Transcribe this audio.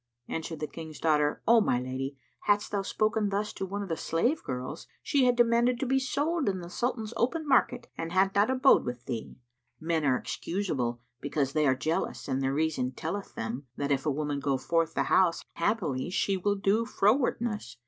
Answered the King's daughter, "O my lady, hadst thou spoken thus to one of the slave girls, she had demanded to be sold in the Sultan's open market and had not abode with thee.[FN#86] Men are excusable, because they are jealous and their reason telleth them that, if a woman go forth the house, haply she will do frowardness.